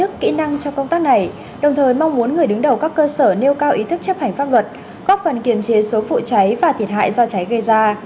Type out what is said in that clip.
cảnh sát phòng trái chữa cháy và thiệt hại do trái gây ra